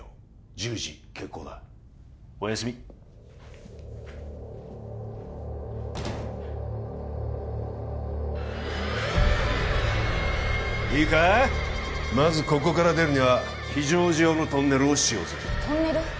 １０時決行だおやすみいいかまずここから出るには非常時用のトンネルを使用するトンネル？